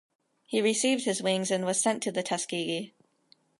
He received his wings and was sent to the Tuskegee.